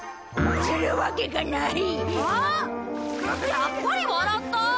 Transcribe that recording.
やっぱり笑った！